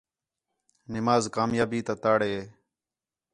نماز کامیابی تا تَڑ ہے